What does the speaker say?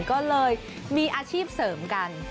ก็เลยมีอาชีพเสริมกัน